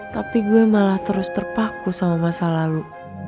tapi gue malah terus terpaku sama masa lalu